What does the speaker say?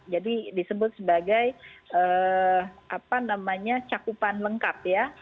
jadi disebut sebagai cakupan lengkap ya